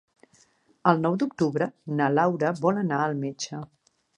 El nou d'octubre na Laura vol anar al metge.